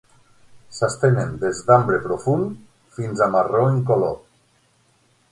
S'estenen des d'ambre profund fins a marró en color.